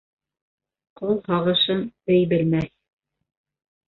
Ҡол һағышын бей белмәҫ.